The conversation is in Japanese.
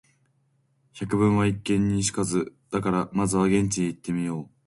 「百聞は一見に如かず」だから、まずは現地へ行ってみよう。